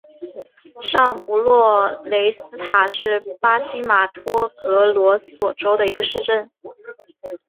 上弗洛雷斯塔是巴西马托格罗索州的一个市镇。